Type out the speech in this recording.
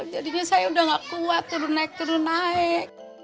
jadinya saya sudah nggak kuat turun naik turun naik